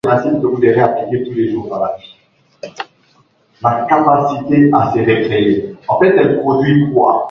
Tanzania yaweka huduma ya intaneti katika miteremko ya Mlima Kilimanjaro